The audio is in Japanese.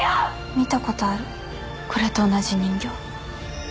「見たことあるこれと同じ人形」